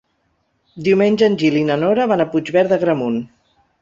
Diumenge en Gil i na Nora van a Puigverd d'Agramunt.